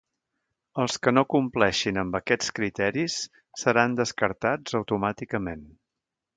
Els que no compleixin amb aquests criteris seran descartats automàticament.